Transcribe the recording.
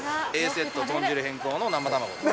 Ａセット、豚汁変更の生卵。